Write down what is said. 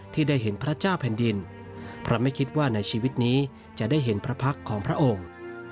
ที่ได้เห็นพระเจ้าแผ่นดินเพราะไม่คิดว่าในชีวิตนี้จะได้เห็นพระพักษ์ของพระองค์